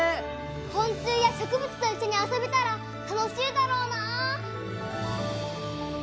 昆虫や植物と一緒に遊べたら楽しいだろうな！